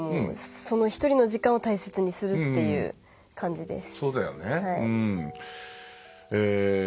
一人の時間を大切にするっていう感じです。